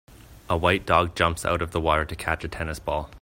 A white dog jumps out of the water to catch a tennis ball.